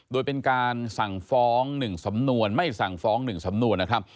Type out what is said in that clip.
โดยเป็นการสั่งฟ้อง๑สำนวนไม่สั่งฟ้อง๑สำนวนนะครับ